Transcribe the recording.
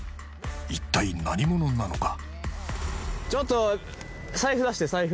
一体何者なのか？